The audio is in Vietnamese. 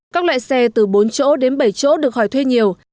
các loại xe từ bốn chỗ đến bảy chỗ được hỏi thuê nhiều